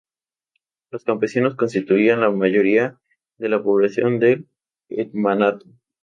Los campesinos constituían la mayoría de la población del Hetmanato.